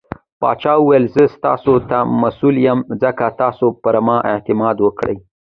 پاچا وويل :زه ستاسو ته مسوول يم ځکه تاسو پرما اعتماد کړٸ .